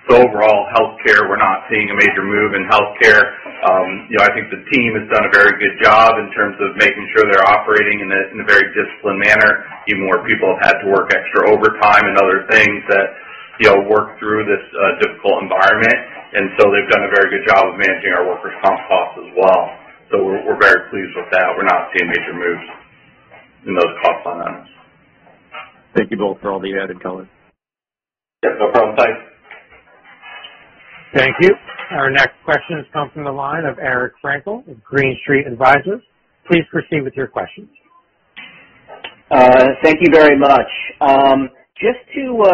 Overall, healthcare, we're not seeing a major move in healthcare. I think the team has done a very good job in terms of making sure they're operating in a very disciplined manner, even more people have had to work extra overtime and other things that work through this difficult environment. They've done a very good job of managing our workers' comp costs as well. We're very pleased with that. We're not seeing major moves in those cost line items. Thank you both for all the added color. Yes, no problem. Thanks. Thank you. Our next question comes from the line of Eric Frankel with Green Street Advisors. Please proceed with your questions. Thank you very much. Just to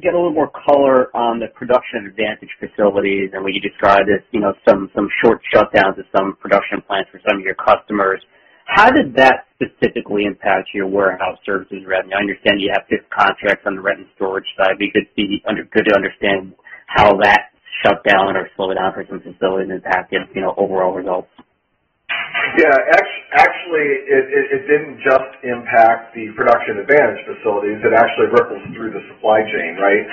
get a little more color on the production-advantaged facilities and what you described as some short shutdowns of some production plants for some of your customers. How did that specifically impact your warehouse services revenue? I understand you have fixed contracts on the rent and storage side, but it'd be good to understand how that shutdown or slowdown for some facilities impacted overall results. Yeah. Actually, it didn't just impact the production-advantaged facilities. It actually rippled through the supply chain, right?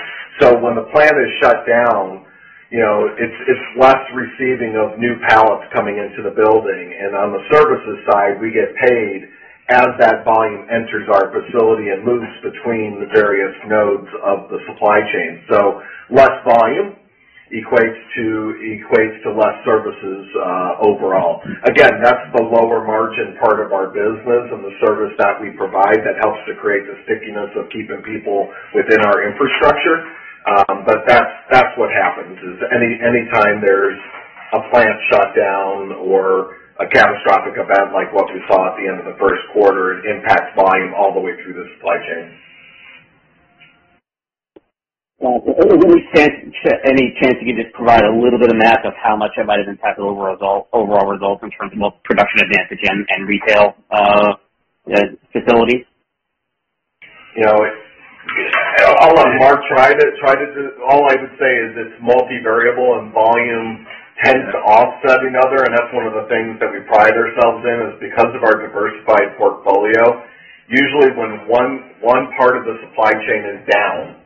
When the plant is shut down, it's less receiving of new pallets coming into the building. On the services side, we get paid as that volume enters our facility and moves between the various nodes of the supply chain. Less volume equates to less services overall. Again, that's the lower margin part of our business and the service that we provide that helps to create the stickiness of keeping people within our infrastructure. That's what happens is any time there's a plant shutdown or a catastrophic event like what we saw at the end of the first quarter, it impacts volume all the way through the supply chain. Any chance you can just provide a little bit of math of how much that might have impacted overall results in terms of both production-advantaged and retail facilities? I'll let Marc try this. I would say is it's multivariable, volume tends to offset another, that's one of the things that we pride ourselves in is because of our diversified portfolio. Usually when one part of the supply chain is down,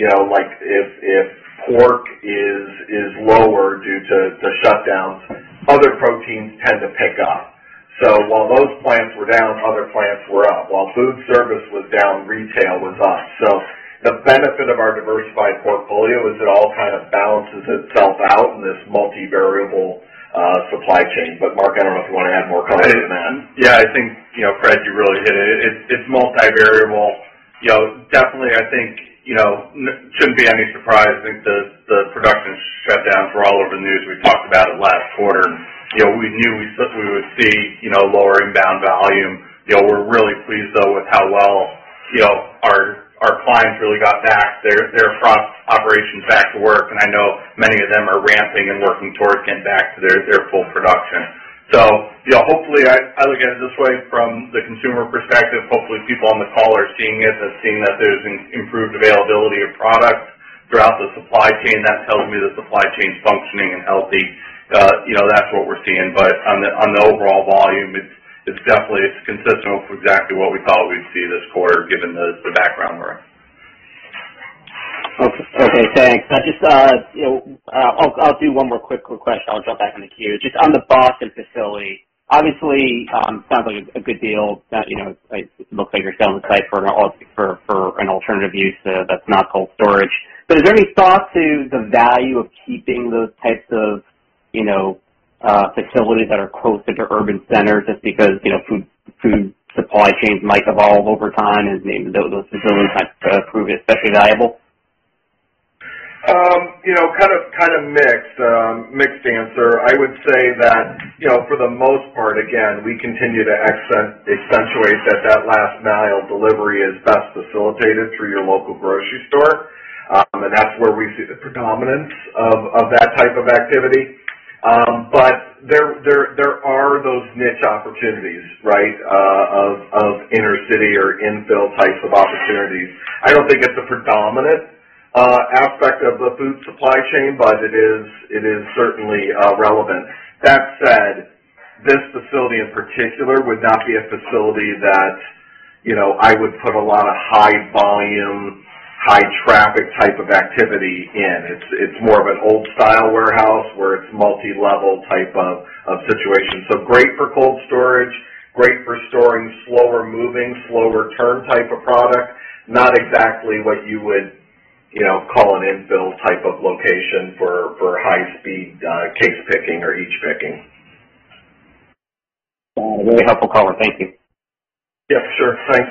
like if pork is lower due to shutdowns, other proteins tend to pick up. While those plants were down, other plants were up. While food service was down, retail was up. The benefit of our diversified portfolio is it all kind of balances itself out in this multivariable supply chain. Marc, I don't know if you want to add more color to that. Yeah. I think Fred, you really hit it. It's multivariable. Definitely, I think shouldn't be any surprise. I think the production shutdowns were all over the news. We talked about it last quarter. We knew we would see lower inbound volume. We're really pleased, though, with how well our clients really got back their operations back to work, and I know many of them are ramping and working towards getting back to their full production. Hopefully, I look at it this way from the consumer perspective. Hopefully, people on the call are seeing it and seeing that there's an improved availability of product throughout the supply chain. That tells me the supply chain's functioning and healthy. That's what we're seeing. On the overall volume, it's definitely consistent with exactly what we thought we'd see this quarter given the background we're in. Okay, thanks. I'll do one more quick request. I'll jump back in the queue. Just on the Boston facility, obviously, it sounds like a good deal. It looks like you're selling the site for an alternative use that's not cold storage. Is there any thought to the value of keeping those types of facilities that are closer to urban centers just because food supply chains might evolve over time, and those facilities might prove especially valuable? Kind of mixed answer. I would say that, for the most part, again, we continue to accentuate that that last mile delivery is best facilitated through your local grocery store. That's where we see the predominance of that type of activity. There are those niche opportunities, of inner city or infill types of opportunities. I don't think it's a predominant aspect of the food supply chain, but it is certainly relevant. That said, this facility in particular would not be a facility that I would put a lot of high volume, high traffic type of activity in. It's more of an old style warehouse where it's multi-level type of situation. Great for cold storage, great for storing slower moving, slower turn type of product. Not exactly what you would call an infill type of location for high speed case picking or each picking. Very helpful color. Thank you. Yeah, sure. Thanks.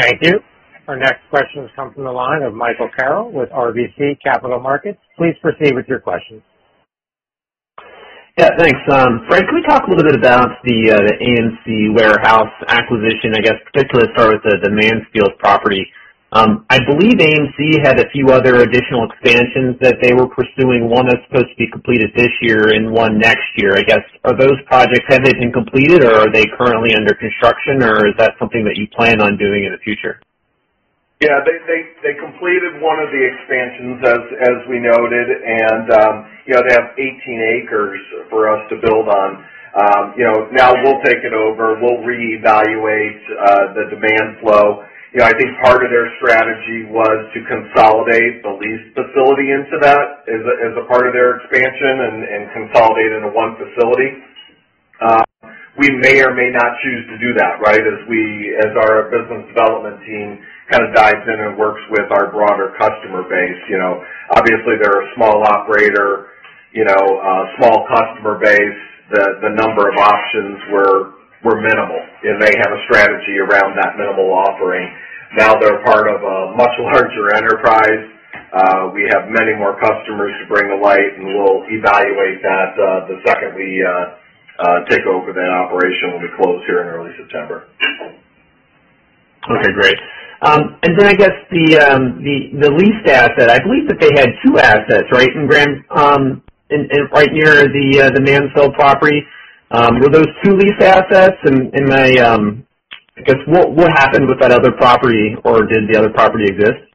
Thank you. Our next question comes from the line of Michael Carroll with RBC Capital Markets. Please proceed with your question. Yeah, thanks. Fred, can we talk a little bit about the AM-C warehouse acquisition, I guess particularly to start with the Mansfield property. I believe AM-C had a few other additional expansions that they were pursuing, one that's supposed to be completed this year and one next year. I guess, are those projects, have they been completed or are they currently under construction or is that something that you plan on doing in the future? Yeah, they completed one of the expansions, as we noted, and they have 18 acres for us to build on. We'll take it over, we'll reevaluate the demand flow. I think part of their strategy was to consolidate the lease facility into that as a part of their expansion and consolidate into one facility. We may or may not choose to do that as our business development team kind of dives in and works with our broader customer base. They're a small operator, small customer base. The number of options were minimal, and they have a strategy around that minimal offering. They're part of a much larger enterprise. We have many more customers to bring to light, and we'll evaluate that the second we take over that operation when we close here in early September. Okay, great. Then I guess the leased asset, I believe that they had two assets, right near the Mansfield property. Were those two leased assets and, I guess, what happened with that other property, or did the other property exist?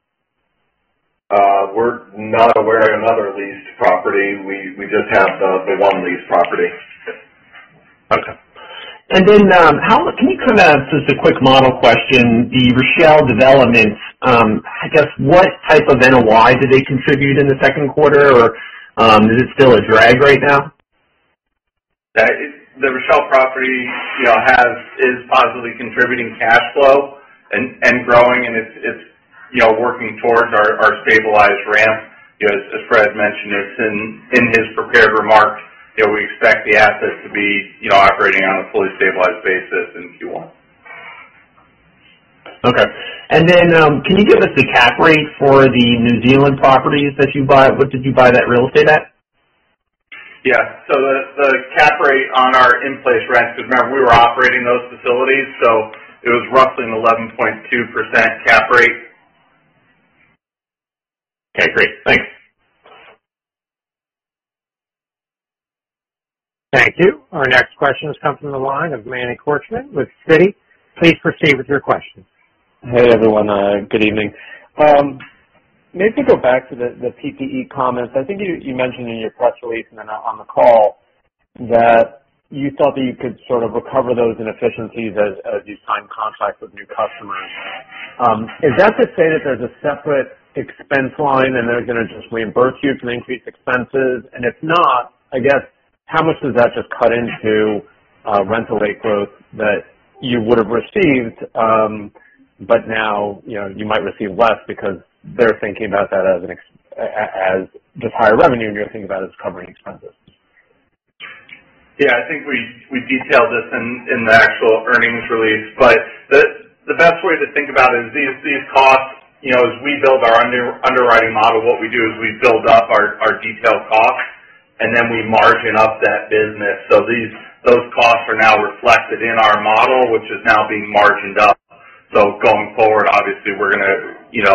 We're not aware of another leased property. We just have the one leased property. Okay. Can we kind of ask just a quick model question? The Rochelle developments, I guess, what type of NOI did they contribute in the second quarter, or is it still a drag right now? The Rochelle property is positively contributing cash flow and growing, and it's working towards our stabilized ramp. As Fred mentioned it in his prepared remarks, we expect the asset to be operating on a fully stabilized basis in Q1. Okay. Can you give us the cap rate for the New Zealand properties that you bought? What did you buy that real estate at? Yeah. The cap rate on our in-place rent, because remember, we were operating those facilities, so it was roughly an 11.2% cap rate. Okay, great. Thanks. Thank you. Our next question comes from the line of Manny Korchman with Citi. Please proceed with your question. Hey, everyone. Good evening. Maybe to go back to the PPE comments. I think you mentioned in your press release and then on the call that you thought that you could sort of recover those inefficiencies as you sign contracts with new customers. Is that to say that there's a separate expense line and they're going to just reimburse you for the increased expenses? If not, I guess how much does that just cut into rental rate growth that you would've received but now you might receive less because they're thinking about that as just higher revenue, and you're thinking about it as covering expenses? I think we detailed this in the actual earnings release. The best way to think about it is these costs, as we build our underwriting model, what we do is we build up our detailed costs and then we margin up that business. Those costs are now reflected in our model, which is now being margined up. Going forward, obviously, we're going to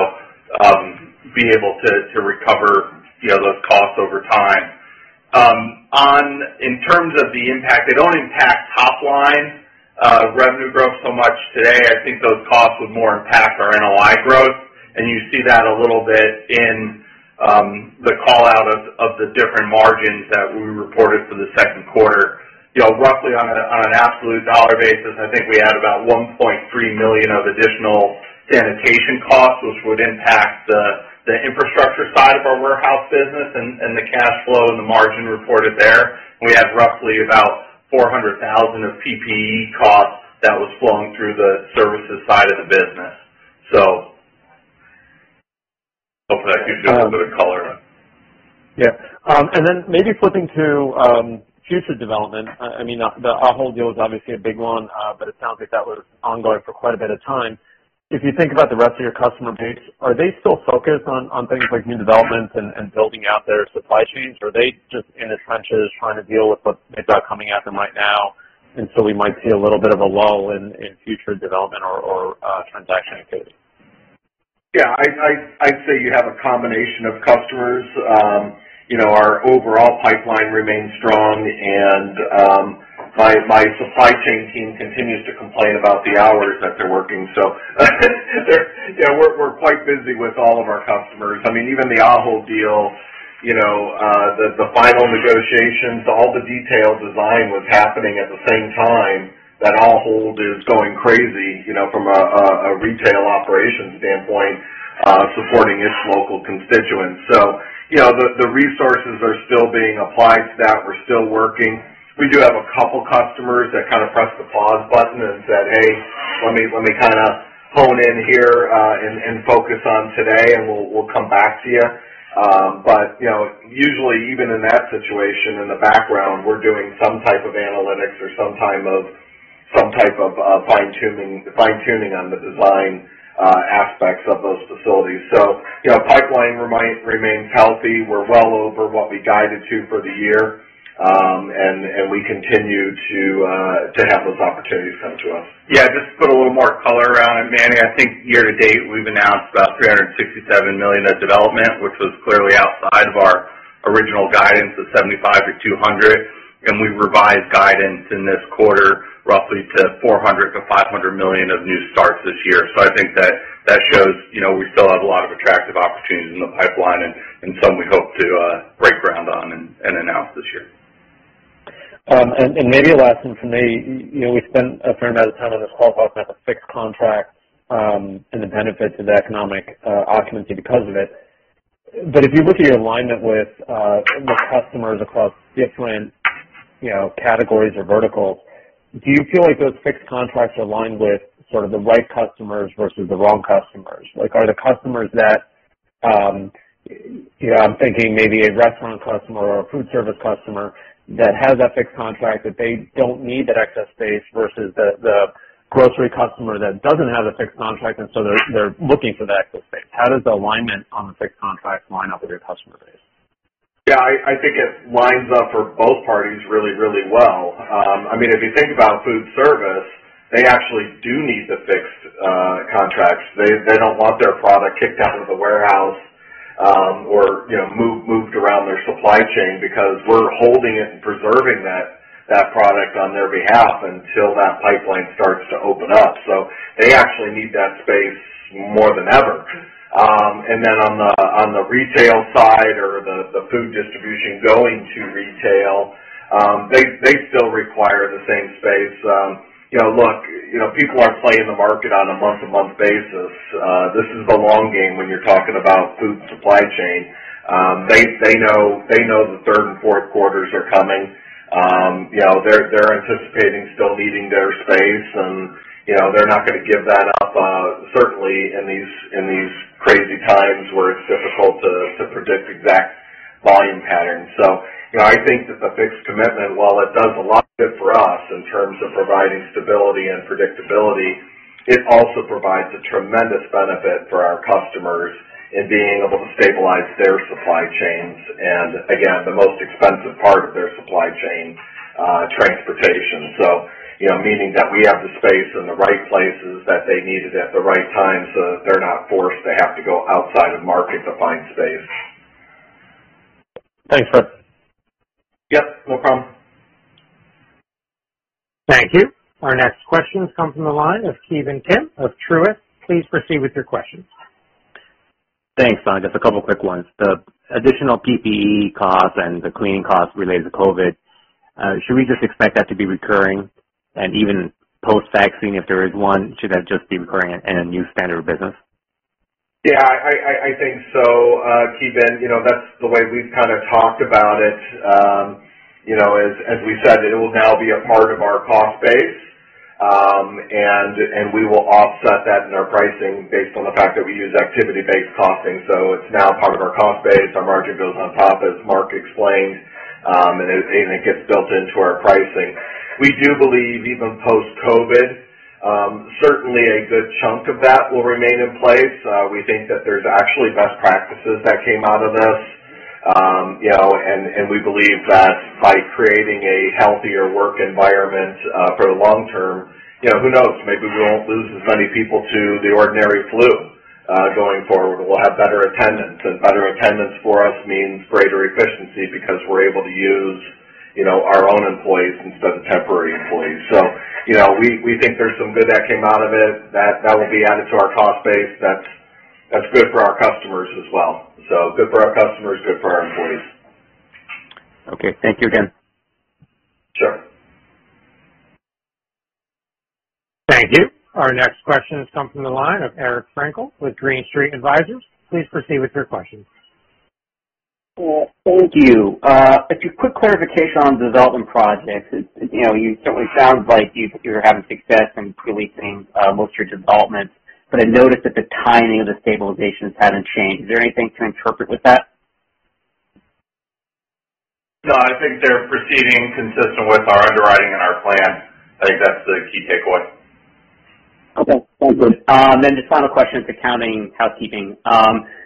be able to recover those costs over time. In terms of the impact, they don't impact top line revenue growth so much today. I think those costs would more impact our NOI growth, and you see that a little bit in the call-out of the different margins that we reported for the second quarter. Roughly on an absolute dollar basis, I think we had about $1.3 million of additional sanitation costs, which would impact the infrastructure side of our warehouse business and the cash flow and the margin reported there. We had roughly about $400,000 of PPE costs that was flowing through the services side of the business. Hopefully I could just put a color on. Yeah. Maybe flipping to future development. I mean, the Ahold deal is obviously a big one, but it sounds like that was ongoing for quite a bit of time. If you think about the rest of your customer base, are they still focused on things like new developments and building out their supply chains? Are they just in the trenches trying to deal with what is coming at them right now, and so we might see a little bit of a lull in future development or transaction activity? Yeah, I'd say you have a combination of customers. Our overall pipeline remains strong, and my supply chain team continues to complain about the hours that they're working. We're quite busy with all of our customers. Even the Ahold deal, the final negotiations, all the detailed design was happening at the same time that Ahold is going crazy from a retail operations standpoint, supporting its local constituents. The resources are still being applied to that. We're still working. We do have a couple customers that kind of pressed the pause button and said, "Hey, let me kind of hone in here and focus on today, and we'll come back to you." Usually, even in that situation, in the background, we're doing some type of analytics or some type of fine-tuning on the design aspects of those facilities. Pipeline remains healthy. We're well over what we guided to for the year. We continue to have those opportunities come to us. Yeah, just to put a little more color around it, Manny, I think year-to-date, we've announced about $367 million of development, which was clearly outside of our original guidance of $75 million-$200 million, and we revised guidance in this quarter roughly to $400 million-$500 million of new starts this year. I think that shows we still have a lot of attractive opportunities in the pipeline and some we hope to break ground on and announce this year. Maybe last thing from me. We spent a fair amount of time on this call talking about the fixed contract, and the benefits of economic occupancy because of it. If you look at your alignment with customers across different categories or verticals, do you feel like those fixed contracts align with sort of the right customers versus the wrong customers? Like are the customers that, I'm thinking maybe a restaurant customer or a food service customer that has that fixed contract, that they don't need that excess space versus the grocery customer that doesn't have a fixed contract, they're looking for that excess space. How does the alignment on the fixed contract line up with your customer base? Yeah, I think it lines up for both parties really, really well. If you think about food service, they actually do need the fixed contracts. They don't want their product kicked out of the warehouse, or moved around their supply chain because we're holding it and preserving that product on their behalf until that pipeline starts to open up. They actually need that space more than ever. Then on the retail side or the food distribution going to retail, they still require the same space. Look, people aren't playing the market on a month-to-month basis. This is the long game when you're talking about food supply chain. They know the third and fourth quarters are coming. They're anticipating still needing their space, they're not going to give that up, certainly in these crazy times where it's difficult to predict exact volume patterns. I think that the fixed commitment, while it does a lot of good for us in terms of providing stability and predictability, it also provides a tremendous benefit for our customers in being able to stabilize their supply chains and again, the most expensive part of their supply chain, transportation. Meaning that we have the space in the right places that they needed at the right time, so that they're not forced to have to go outside of market to find space. Thanks, Fred. Yep, no problem. Thank you. Our next question comes from the line of Ki Bin Kim of Truist. Please proceed with your questions. Thanks. Just a couple quick ones. The additional PPE costs and the cleaning costs related to COVID, should we just expect that to be recurring and even post-vaccine, if there is one, should that just be recurring and a new standard of business? Yeah, I think so, Ki Bin. That's the way we've kind of talked about it. As we said, it will now be a part of our cost base. We will offset that in our pricing based on the fact that we use activity-based costing. It's now part of our cost base. Our margin builds on top, as Marc explained. It gets built into our pricing. We do believe even post-COVID, certainly a good chunk of that will remain in place. We think that there's actually best practices that came out of this. We believe that by creating a healthier work environment for the long term, who knows, maybe we won't lose as many people to the ordinary flu going forward, and we'll have better attendance. Better attendance for us means greater efficiency because we're able to use our own employees instead of temporary employees. We think there's some good that came out of it that will be added to our cost base that's good for our customers as well. Good for our customers, good for our employees. Okay. Thank you again. Sure. Thank you. Our next question comes from the line of Eric Frankel with Green Street Advisors. Please proceed with your question. Well, thank you. Just a quick clarification on the development projects. It certainly sounds like you're having success in releasing most of your developments, but I noticed that the timing of the stabilizations haven't changed. Is there anything to interpret with that? No, I think they're proceeding consistent with our underwriting and our plan. I think that's the key takeaway. Okay. Sounds good. Just final question is accounting and housekeeping.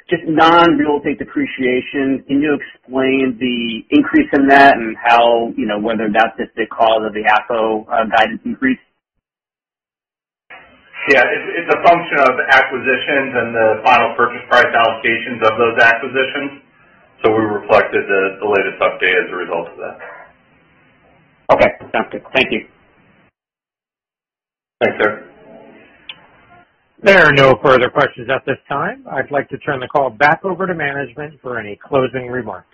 Just non-real estate depreciation, can you explain the increase in that and whether that's just the cause of the AFFO guidance increase? Yeah. It's a function of acquisitions and the final purchase price allocations of those acquisitions. We reflected the latest update as a result of that. Okay. Sounds good. Thank you. Thanks, Eric. There are no further questions at this time. I'd like to turn the call back over to management for any closing remarks.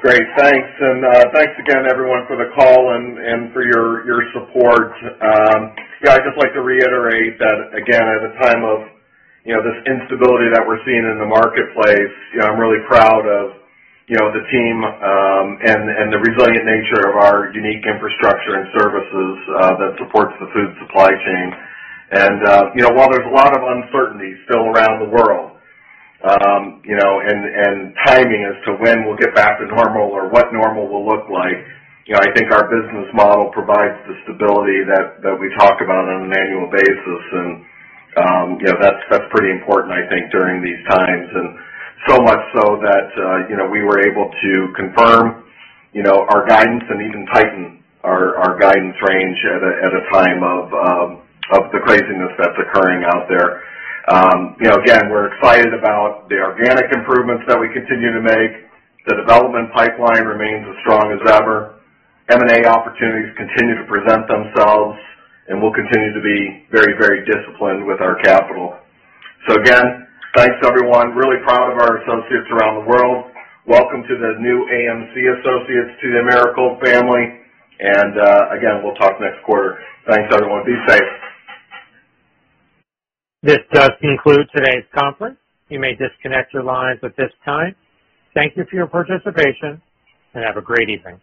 Great. Thanks. Thanks again, everyone, for the call and for your support. Yeah, I'd just like to reiterate that, again, at a time of this instability that we're seeing in the marketplace, I'm really proud of the team and the resilient nature of our unique infrastructure and services that supports the food supply chain. While there's a lot of uncertainty still around the world, and timing as to when we'll get back to normal or what normal will look like, I think our business model provides the stability that we talk about on an annual basis. That's pretty important, I think, during these times. So much so that we were able to confirm our guidance and even tighten our guidance range at a time of the craziness that's occurring out there. Again, we're excited about the organic improvements that we continue to make. The development pipeline remains as strong as ever. M&A opportunities continue to present themselves, we'll continue to be very disciplined with our capital. Again, thanks everyone. Really proud of our associates around the world. Welcome to the new AM-C associates to the Americold family. Again, we'll talk next quarter. Thanks, everyone. Be safe. This does conclude today's conference. You may disconnect your lines at this time. Thank you for your participation, and have a great evening.